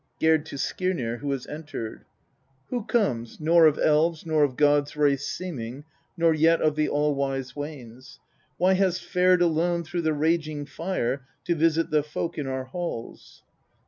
Gerd to Skirnir (who has entered). 17. Who comes, nor of elves' nor of gods' race seeming, nor yet of the all wise Wanes ? why hast fared alone through the raging fire to visit the folk in our hails